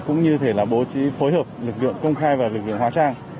cũng như thể là bố trí phối hợp lực lượng công khai và lực lượng hóa trang